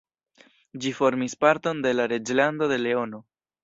Ĝi formis parton de la Reĝlando de Leono.